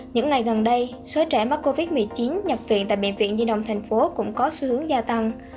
những ngày gần đây số trẻ mắc covid một mươi chín nhập viện tại bệnh viện di đồng tp hcm cũng có xu hướng gia tăng